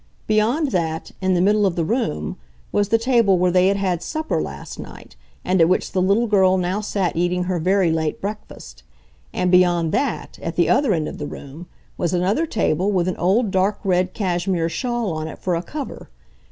Beyond that, in the middle of the room, was the table where they had had supper last night, and at which the little girl now sat eating her very late breakfast; and beyond that, at the other end of the room, was another table with an old dark red cashmere shawl on it for a cover.